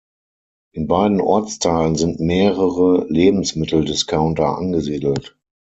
In beiden Ortsteilen sind mehrere Lebensmitteldiscounter angesiedelt.